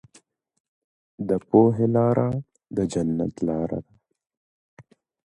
د پوهې لاره د جنت لاره ده.